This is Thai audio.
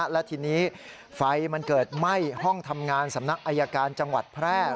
และทีนี้ไฟมันเกิดไหม้ห้องทำงานสำนักอายการจังหวัดแพร่